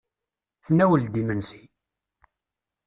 Tnawel-d imensi.